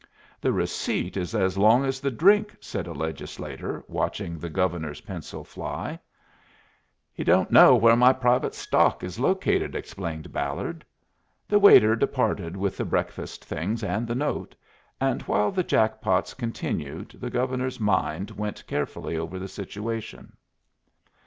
"The receipt is as long as the drink," said a legislator, watching the Governor's pencil fly. "He don't know where my private stock is located," explained Ballard. The waiter departed with the breakfast things and the note, and while the jack pots continued the Governor's mind went carefully over the situation.